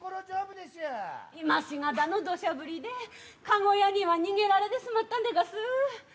いましがたの土砂降りでかご屋には逃げられてしまったんだがす。